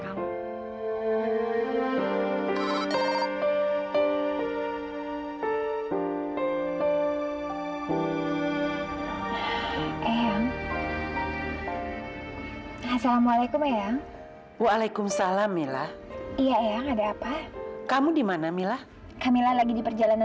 kamu eyang tunggu di rumah eyang